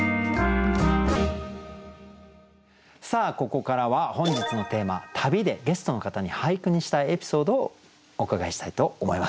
ここからは本日のテーマ「旅」でゲストの方に俳句にしたいエピソードをお伺いしたいと思います。